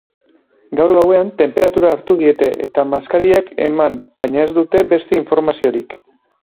Gaur gauean tenperatura hartu diete eta maskarillak eman baina ez dute beste informaziorik.